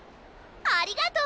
ありがとう！